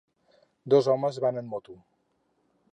Dos homes van en moto.